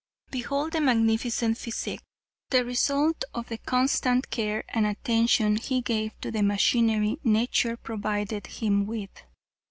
Behold the magnificent physique, the result of the constant care and attention he gave to the machinery nature provided him with.